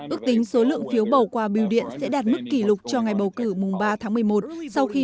ước tính số lượng phiếu bầu qua biểu điện sẽ đạt mức kỷ lục cho ngày bầu cử mùng ba tháng một mươi một sau khi